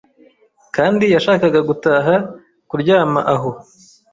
Kandi yashakaga gutaha kuryama aho